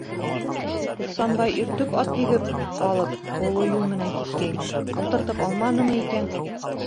Ихсанбай иртүк ат егеп алып оло юл менән киткәйне, ултыртып алманымы икән?